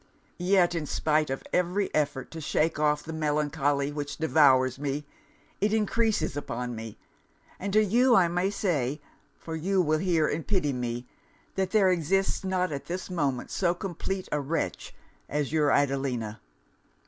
Yet in spite of every effort to shake off the melancholy which devours me, it encreases upon me; and to you I may say, for you will hear and pity me, that there exists not at this moment so complete a wretch as your Adelina!